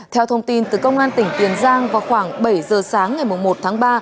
theo thông tin từ công an tỉnh tiền giang vào khoảng bảy giờ sáng ngày một tháng ba